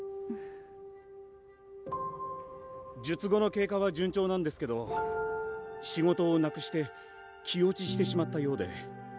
術後の経過は順調なんですけど仕事をなくして気落ちしてしまったようで。